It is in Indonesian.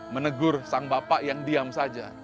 menegur sang bapak yang diam saja